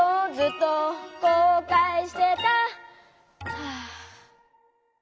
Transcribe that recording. はあ。